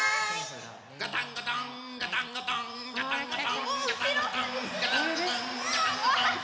ガタンゴトンガタンゴトンガタンゴトンガタンゴトン。